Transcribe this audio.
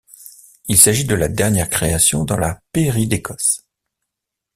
Il s'agit de la dernière création dans la pairie d'Écosse.